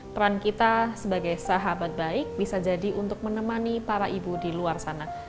peran kita sebagai sahabat baik bisa jadi untuk menemani para ibu di luar sana